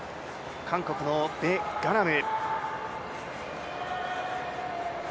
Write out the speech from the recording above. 韓国のぺ・ガラム。